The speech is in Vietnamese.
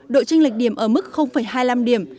đội tranh lệch điểm ở mức hai mươi năm điểm